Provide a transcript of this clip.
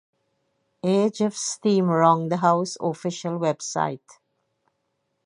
Age of Steam Roundhouse official website